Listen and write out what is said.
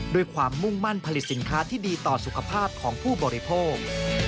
ด้วยความมุ่งมั่นผลิตสินค้าที่ดีต่อสุขภาพของผู้บริโภค